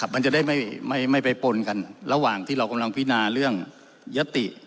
มันจะได้ไม่ไปปนกันระหว่างที่เรากำลังพินาเรื่องยัตติ